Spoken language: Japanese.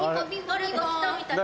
誰か来たみたい。